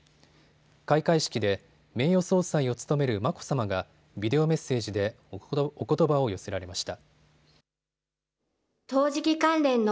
開会式で名誉総裁を務める眞子さまがビデオメッセージでおことばを寄せられました。